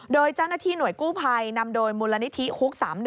โดยเจ้าหน้าที่หน่วยกู้ภัยนำโดยมูลนิธิฮุก๓๑